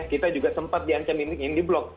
kita juga sempat diancamin yang di blok